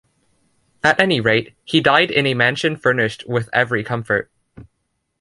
At any rate, he died in a mansion furnished with every comfort.